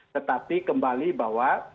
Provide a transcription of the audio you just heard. tetapi kembali bahwa